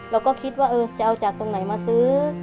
เราก็คิดว่าจะเอาจากตรงไหนมาซื้อ